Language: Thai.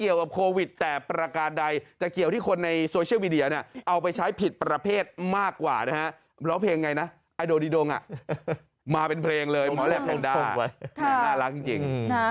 ยังไงนะไอโดดิดงมาเป็นเพลงเลยหมอแหลปแพนดาน่ารักจริง